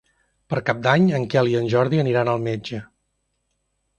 Per Cap d'Any en Quel i en Jordi aniran al metge.